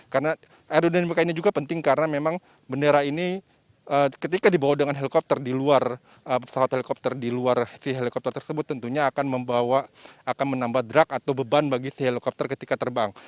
karena aerodinamikanya juga penting karena memang bendera ini ketika dibawa dengan helikopter di luar pesawat helikopter di luar si helikopter tersebut tentunya akan membawa akan menambah drag atau beban bagi si helikopter ketika terbang